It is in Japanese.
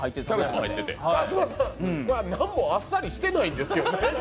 これ何もあっさりしてないんですけど。